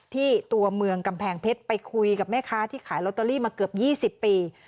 ตัวเมืองกำแพงเพชรไปคุยกับแม่ค้าที่ขายลอตเตอรี่มาเกือบ๒๐ปี